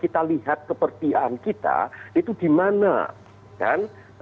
kita lihat kepercayaan kita itu di mana kan